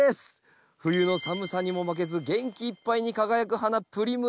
冬の寒さにも負けず元気いっぱいに輝く花プリムラ。